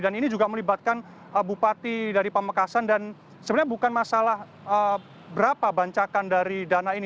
dan ini juga melibatkan bupati dari pamekasan dan sebenarnya bukan masalah berapa bancakan dari dana ini